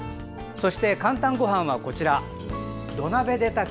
そして「かんたんごはん」は土鍋で炊く！